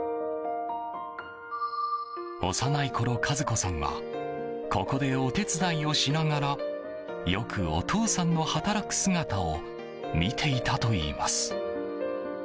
幼いころ、和子さんはここでお手伝いをしながらよくお父さんの働く姿を見ていたといいます。